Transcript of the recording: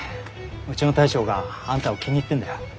うちの大将があんたを気に入ってんだよ。